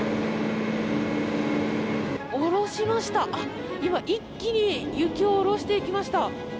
下ろしました、今、一気に雪を下ろしていきました。